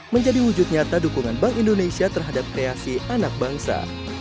menjadi wujud nyata dukungan bank indonesia terhadap kreasi anak bangsa